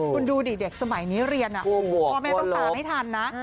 คุณดูดิเด็กสมัยนี้เรียนพ่อแม่ต้องตามให้ทันนะ